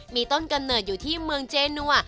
มีต้นกำเนิดอยู่ที่เมืองเจนัว